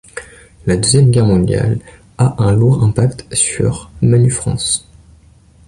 La Deuxième Guerre mondiale a un lourd impact sur Manufrance.